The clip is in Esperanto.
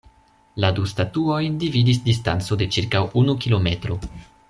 La du statuojn dividis distanco de ĉirkaŭ unu kilometro.